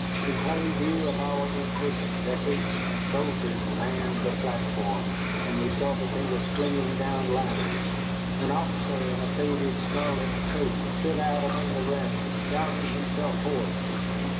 In plain view of our impatient Deckards soldiers manned the platform, and we saw that they were flinging down ladders. An officer in a faded scarlet coat stood out among the rest, shouting himself hoarse.